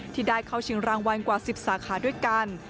ที่ได้เข้าชิงรางวัลกว่า๑๐สาขาด้วยกัน